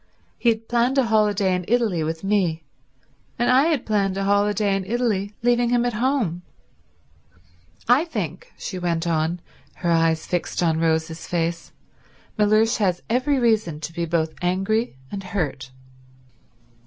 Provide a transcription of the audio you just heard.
He had planned a holiday in Italy with me, and I had planned a holiday in Italy leaving him at home. I think," she went on, her eyes fixed on Rose's face, "Mellersh has every reason to be both angry and hurt."